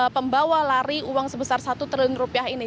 pembawa lari uang sebesar satu triliun rupiah ini